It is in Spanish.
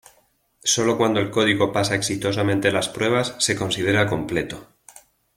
Solo cuando el código pasa exitosamente las pruebas se considera completo.